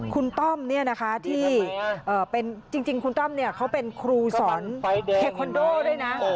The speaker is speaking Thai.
คุณต้อมที่จริงคุณต้อมเขาเป็นครูสอนเทคอนโดด้วยนะ